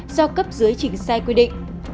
do cấp dưới chỉnh sai quy định